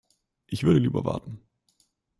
Ich würde lieber warten.